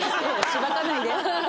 しばかないで。